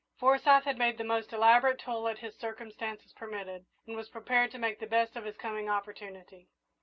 Forsyth had made the most elaborate toilet his circumstances permitted, and was prepared to make the best of his coming opportunity.